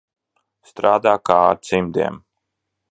Strādā kā ar cimdiem.